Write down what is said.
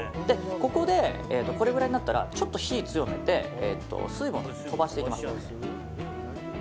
ここで、これくらいになったらちょっと火を強めて水分を飛ばしていきます。